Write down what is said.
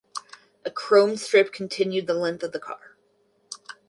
A chrome strip continued the length of the car.